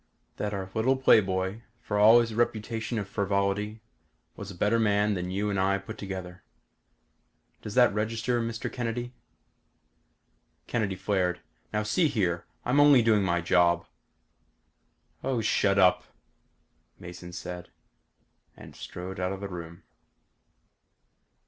"That our little playboy, for all his reputation of frivolity, was a better man than you and I put together. Does that register, Mr. Kennedy?" Kennedy flared. "Now see here. I'm only doing my job!" "Oh shut up," Mason said. And strode out of the room.